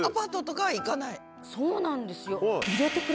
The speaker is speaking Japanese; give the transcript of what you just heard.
そうなんですよ。